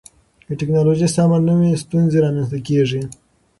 که ټکنالوژي سمه نه وي، ستونزې رامنځته کېږي.